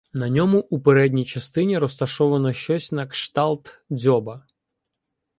На ньому у передній частині розташовано щось на кшталт дзьоба.